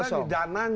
nah soal didananya